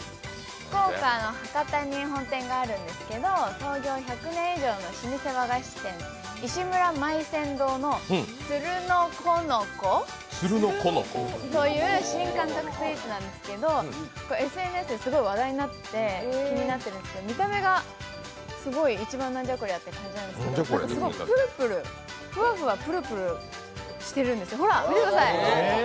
福岡の博多に本店があるんですけど、創業１００年以上の老舗和菓子店、石村萬盛堂の、つるのこのこという新感覚スイーツなんですけどＳＮＳですごい話題になって気になっているんですけど、見た目がすごい一番「なんじゃこりゃ！」って感じなんですけどすごいふわふわ、プルプルしてるんです。